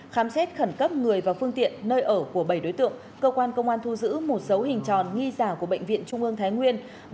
khám xét khẩn cấp người và phương tiện nơi ở của bảy đối tượng cơ quan công an thu giữ một số hình tròn nghi giả của bệnh viện trung ương thái nguyên